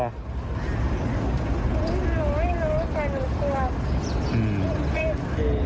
หนูไม่รู้แต่หนูกลัว